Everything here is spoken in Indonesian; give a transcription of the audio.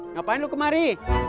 ngapain lu kemari